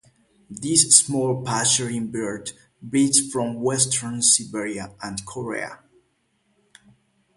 This small passerine bird breeds from western Siberia and Korea.